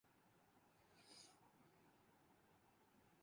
پاکستان ترقی خوشحالی کی راہ پر گامزن ہے خرم دستگیر